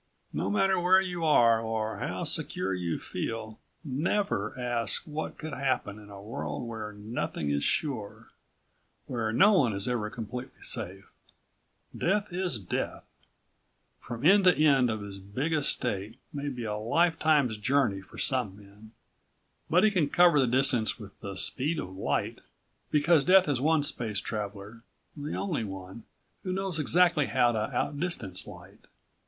No matter where you are or how secure you feel, never ask what could happen in a world where nothing is sure, where no one is ever completely safe. Death is death. From end to end of his big estate may be a lifetime's journey for some men. But he can cover the distance with the speed of light, because Death is one space traveler the only one who knows exactly how to outdistance light.